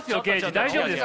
大丈夫ですか？